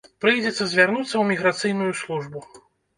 Прыйдзецца звярнуцца ў міграцыйную службу.